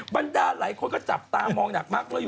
บรรดาหลายคนก็จับตามองหนักมาก